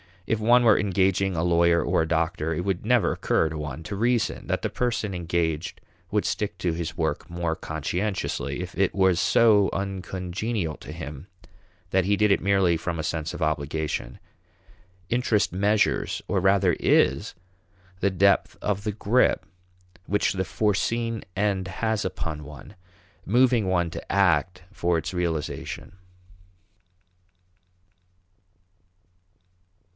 If one were engaging a lawyer or a doctor, it would never occur to one to reason that the person engaged would stick to his work more conscientiously if it was so uncongenial to him that he did it merely from a sense of obligation. Interest measures or rather is the depth of the grip which the foreseen end has upon one, moving one to act for its realization.